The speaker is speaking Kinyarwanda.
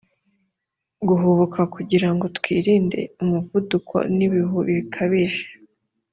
guhubuka kugira ngo twirinde umuvuduko n ihubi bikabije